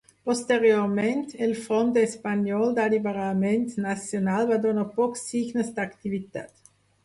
Posteriorment el Front Espanyol d'Alliberament Nacional va donar pocs signes d'activitat.